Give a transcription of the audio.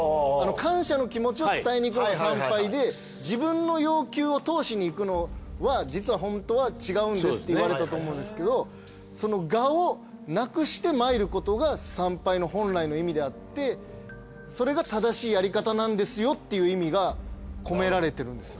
感謝の気持ちを伝えにいくのが参拝で自分の要求を通しにいくのは実は本当は違うんですって言われたと思うんですけどその我をなくして参ることが参拝の本来の意味であってそれが正しいやり方なんですよっていう意味が込められてるんですよ。